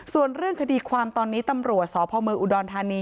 ส่วนเรื่องคดีความตอนนี้ตำรวจสพเมืองอุดรธานี